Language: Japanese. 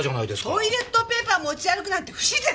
トイレットペーパーを持ち歩くなんて不自然！